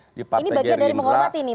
ini bagian dari menghormati nih